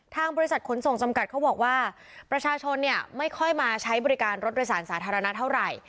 ทางบริษัทขนส่งจำกัดเขาบอกว่าประชาชนเนี่ยไม่ค่อยมาใช้บริการรถโดยสารสาธารณะเท่าไหร่